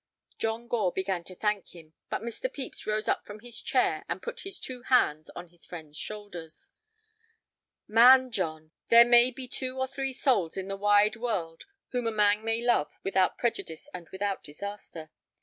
John Gore began to thank him, but Mr. Pepys rose up from his chair and put his two hands on his friend's shoulders. "Man John, there may be two or three souls in the wide world whom a man may love without prejudice and without disaster.